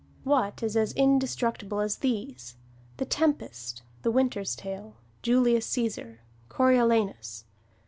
What is as indestructible as these: "The Tempest," "The Winter's Tale," "Julius Cæsar," "Coriolanus"?